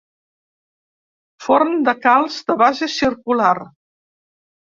Forn de calç de base circular.